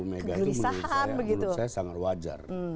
menurut saya sangat wajar